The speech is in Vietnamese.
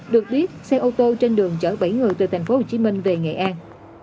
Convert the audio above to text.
được biết xe ô tô trên đường chở bảy người từ tp hcm về nghệ an